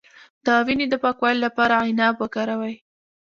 د وینې د پاکوالي لپاره عناب وکاروئ